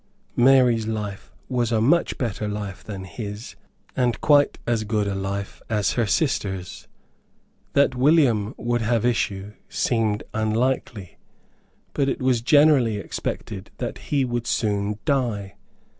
Mary's life was a much better life than his, and quite as good a life as her sister's. That William would have issue seemed unlikely. But it was generally expected that he would soon die.